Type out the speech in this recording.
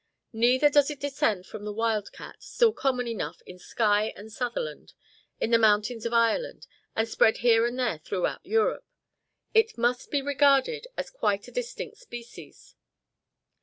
Neither does it descend from the wild cat, still common enough in Skye and Sutherland, in the mountains of Ireland, and spread here and there throughout Europe. It must be regarded as quite a distinct species.